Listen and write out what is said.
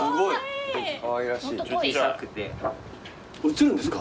写るんですか？